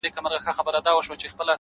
مثبت فکر د ارام ذهن سرچینه ده